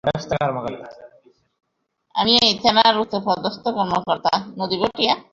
আমি এই থানার উচ্চপদস্থ কর্মকর্তা।